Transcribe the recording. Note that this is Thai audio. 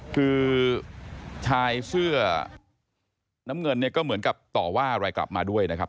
คือชายเสื้อน้ำเงินเนี่ยก็เหมือนกับต่อว่าอะไรกลับมาด้วยนะครับ